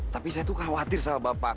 tapi saya tuh khawatir sama bapak